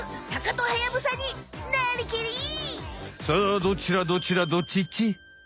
さあどっちだどっちだどっちっち？